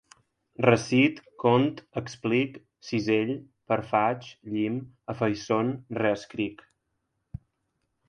Recit, cont, explic, cisell, perfaig, llim, afaiçon, reescric.